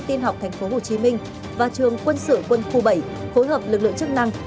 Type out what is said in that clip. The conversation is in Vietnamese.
tiên học tp hcm và trường quân sự quân khu bảy phối hợp lực lượng chức năng